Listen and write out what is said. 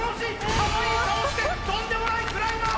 かわいい顔してとんでもないクライマー！